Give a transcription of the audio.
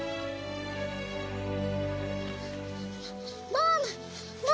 ママ！